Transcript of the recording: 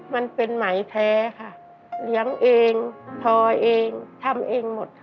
มันเป็นไหมแท้ค่ะเลี้ยงเองทอเองทำเองหมด